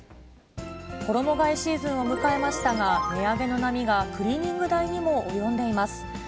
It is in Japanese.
衣がえシーズンを迎えましたが、値上げの波がクリーニング代にも及んでいます。